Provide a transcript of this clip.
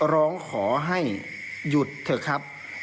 ร้องขอให้หยุดเถอะครับ